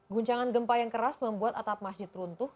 guncangan gempa yang keras membuat atap masjid runtuh